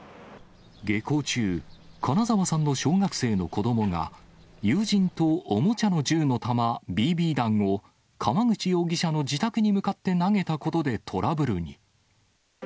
下校中、金沢さんの小学生の子どもが、友人とおもちゃの銃の弾、ＢＢ弾を、川口容疑者の自宅に向かって投げたことでトラブルに。